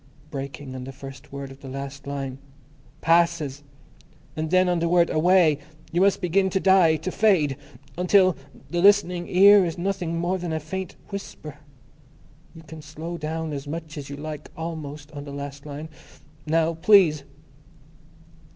_ Breaking on the first word of the last line, Passes. And then on the word, Away, you must begin to die... to fade... until The Listening Ear is nothing more than a faint whisper.... You can slow down as much as you like almost on the last line. Now, please."